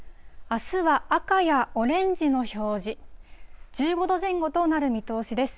あすは赤やオレンジの表示、１５度前後となる見通しです。